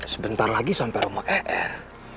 sebentar lagi sampai rumah er